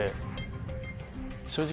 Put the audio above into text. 正直。